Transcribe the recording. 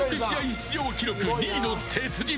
出場記録２位の鉄人